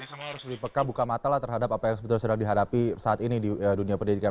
jadi semua harus lebih peka buka mata lah terhadap apa yang sebetulnya sudah dihadapi saat ini di dunia pendidikan